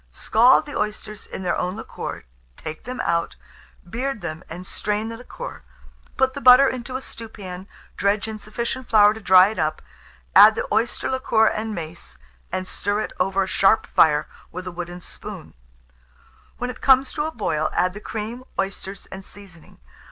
Scald the oysters in their own liquor, take them out, beard them, and strain the liquor; put the butter into a stewpan, dredge in sufficient flour to dry it up, add the oyster liquor and mace, and stir it over a sharp fire with a wooden spoon; when it comes to a boil, add the cream, oysters, and seasoning.